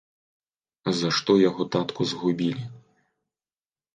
За што яго татку згубілі?